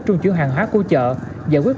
trung chủ hàng hóa của chợ giải quyết